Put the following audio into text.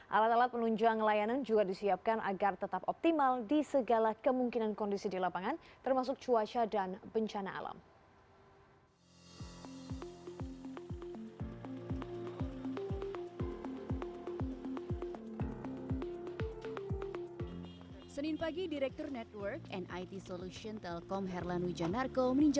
alat alat penunjang layanan juga disiapkan agar tetap optimal di segala kemungkinan kondisi di lapangan termasuk cuaca dan bencana alam